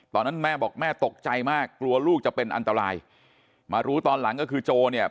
ตอนนั้นแม่บอกแม่ตกใจมากกลัวลูกจะเป็นอันตรายมารู้ตอนหลังก็คือโจเนี่ย